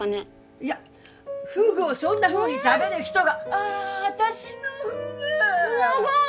いやフグをそんなふうに食べる人がああ私のフグうまかー！